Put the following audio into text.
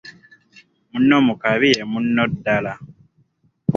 Munno mu kabi ye munno ddaala.